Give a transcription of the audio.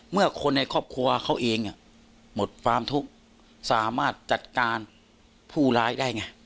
เมื่อคนในครอบครัวเขาเองหมดความทุกข์สามารถจัดการผู้ร้ายได้ไง